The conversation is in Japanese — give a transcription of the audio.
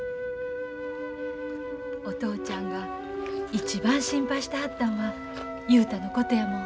お父ちゃんが一番心配してはったんは雄太のことやもん。